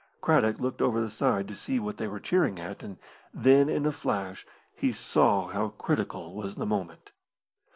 Craddock looked over the side to see what they were cheering at, and then in a flash he saw how critical was the moment.